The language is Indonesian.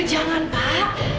pak jangan pak